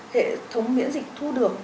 hệ thống miễn dịch thu được